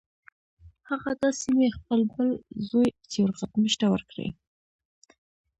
هغه دا سیمې خپل بل زوی سیورغتمش ته ورکړې.